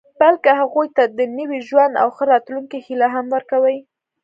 بلکې هغوی ته د نوي ژوند او ښه راتلونکي هیله هم ورکوي